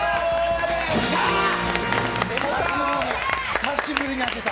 久しぶりに当てた。